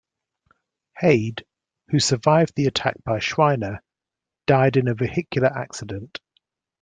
Hade, who survived the attack by Shriner, died in a vehicular accident.